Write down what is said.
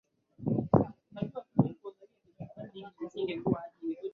themanini na mbili mia tisa sabini